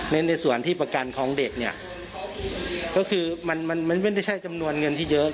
ในในส่วนที่ประกันของเด็กเนี่ยก็คือมันมันไม่ได้ใช้จำนวนเงินที่เยอะ